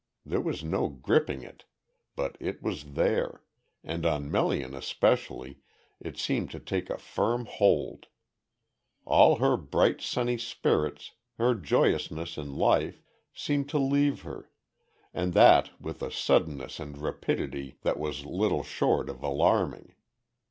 There was no gripping it, but it was there, and on Melian especially, it seemed to take a firm hold. All her bright sunny spirits, her joyousness in life, seemed to leave her, and that with a suddenness and rapidity that was little short of alarming.